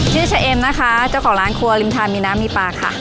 ชื่อเฉเอ็มนะคะเจ้าของร้านครัวริมทานมีน้ำมีปลาค่ะ